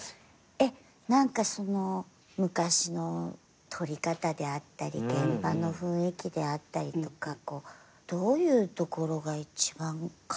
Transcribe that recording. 何かそのう昔の撮り方であったり現場の雰囲気であったりとかどういうところが一番変わった。